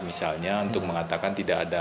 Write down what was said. misalnya untuk mengatakan tidak ada